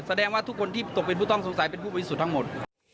แสดงว่าทุกคนที่ตกเป็นผู้ต้องสงสัยเป็นผู้บริสุทธิ์ทั้งหมด